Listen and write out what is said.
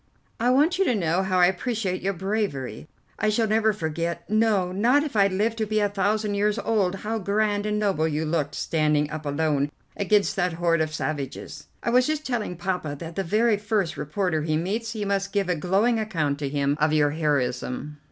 "I want you to know how I appreciate your bravery. I shall never forget, no, not if I live to be a thousand years old, how grand and noble you looked standing up alone against that horde of savages. I was just telling Poppa that the very first reporter he meets, he must give a glowing account to him of your heroism."